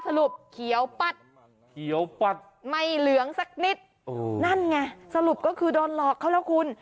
เขียวปัดเขียวปัดไม่เหลืองสักนิดนั่นไงสรุปก็คือโดนหลอกเขาแล้วคุณ